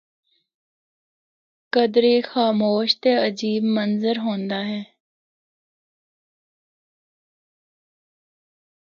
کدرے خاموش تے عجیب منظر ہوندا ہے۔